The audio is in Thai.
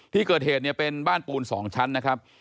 ที่เกิดเหตุเนี่ยเป็นบ้านปูน๒ชั้นนะครับ